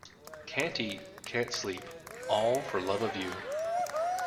Can't eat, can't sleep — all for love of you.